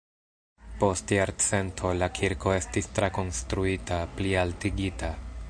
Post jarcento la kirko estis trakonstruita, plialtigita.